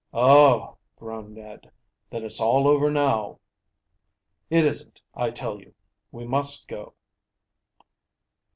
"Oh!" groaned Ned. "Then it's all over now." "It isn't, I tell you. We must go."